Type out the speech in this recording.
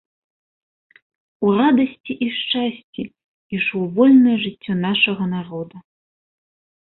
У радасці і шчасці ішло вольнае жыццё нашага народа.